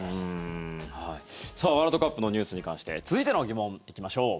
さあ、ワールドカップのニュースに関して続いての疑問、行きましょう。